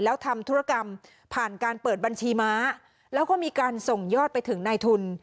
แล้วทำธุรกรรมผ่านการเปิดบัญชีม้าแล้วก็มีการส่งยอดไปถึงในทุน